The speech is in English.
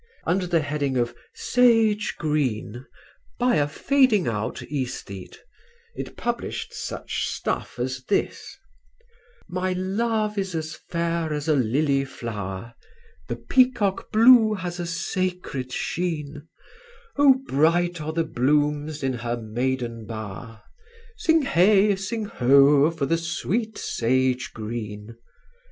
Under the heading of "Sage Green" (by a fading out Æsthete) it published such stuff as this: My love is as fair as a lily flower. (The Peacock blue has a sacred sheen!) Oh, bright are the blooms in her maiden bower. (_Sing Hey! Sing Ho! for the sweet Sage Green!